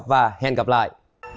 và hẹn gặp lại